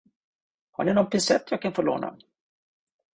Har ni någon pincett jag kan få låna?